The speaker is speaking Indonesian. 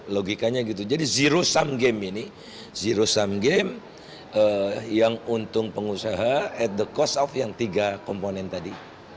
logikanya gitu jadi zero sum game ini zero sum game yang untung pengusaha at the cost of yang tiga komponen tadi